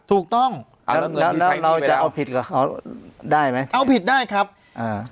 ถูกต้องแล้วแล้วเราจะเอาผิดกับเขาได้ไหมเอาผิดได้ครับอ่า